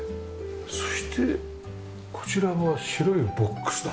そしてこちらは白いボックスだ。